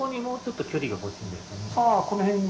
ああこの辺に？